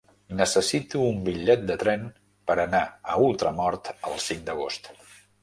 Necessito un bitllet de tren per anar a Ultramort el cinc d'agost.